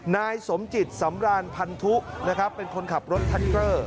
นายสมจิตสำราญพันธุเป็นคนขับรถทัคเกอร์